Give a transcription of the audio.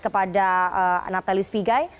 kepada natalius pigai